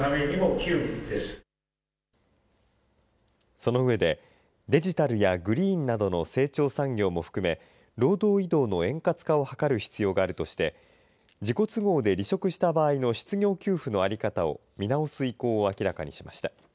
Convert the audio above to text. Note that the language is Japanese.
その上でデジタルやグリーンなどの成長産業も含め労働移動の円滑化を図る必要があるとして自己都合で離職した場合の失業給付の在り方を見直す意向を明らかにしました。